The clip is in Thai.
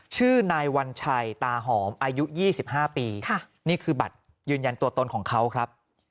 ชื่อนายวัญชัยตาหอมอายุ๒๕ปีนี่คือบัตรยืนยันตัวตนของเขาครับ